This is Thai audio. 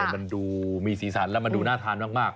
มันดูมีสีสันแล้วมันดูน่าทานมาก